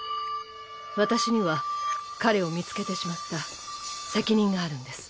私には彼を見つけてしまった責任があるんです。